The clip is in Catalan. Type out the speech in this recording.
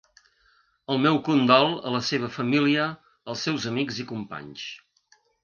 El meu condol a la seva família, als seus amics i companys.